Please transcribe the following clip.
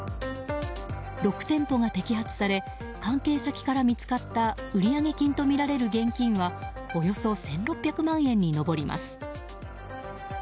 ６店舗が摘発され関係先から見つかった売上金とみられる現金はおよそ１６００万円に上ります。